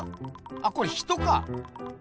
あこれ人か。